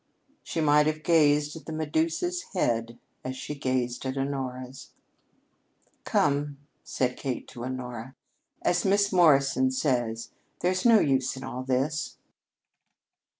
She might have gazed at the Medusa's head as she gazed at Honora's. "Come," said Kate to Honora. "As Miss Morrison says, there's no use in all this."